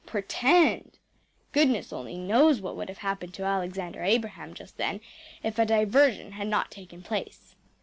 ‚ÄĚ Pretend! Goodness only knows what would have happened to Alexander Abraham just then if a diversion had not taken place.